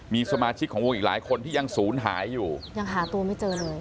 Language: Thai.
มีสมาชิกของวงอีกหลายคนที่ยังศูนย์หายอยู่ยังหาตัวไม่เจอเลย